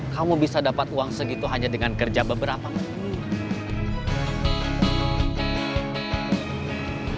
kamu bisa dapat uang segitu hanya dengan kerja beberapa waktu